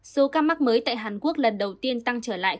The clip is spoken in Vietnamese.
số ca mắc mới tại hàn quốc lần đầu tiên tăng trở lại